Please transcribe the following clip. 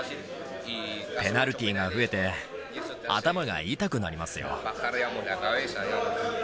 ペナルティーが増えて、頭が痛くなりますよ。